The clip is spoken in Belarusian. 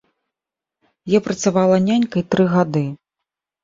Я працавала нянькай тры гады.